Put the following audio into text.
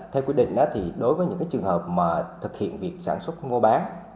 theo quy định thì đối với những trường hợp mà thực hiện việc sản xuất mua bán